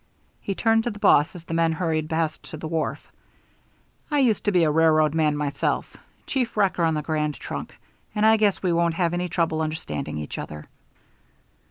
He turned to the boss as the men hurried past to the wharf. "I used to be a railroad man myself chief wrecker on the Grand Trunk and I guess we won't have any trouble understanding each other."